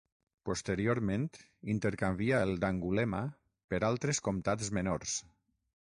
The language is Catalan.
Posteriorment intercanvià el d'Angulema per altres comtats menors.